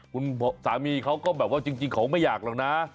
คุณสามีเขาก็แบบว่าจริงเขาไม่อยากหรอกนะ